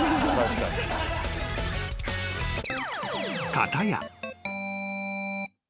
［片や］